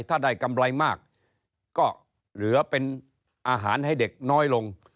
ถ้าได้กำไรมากก็เหลือเป็นอาหารให้เด็กน้อยลง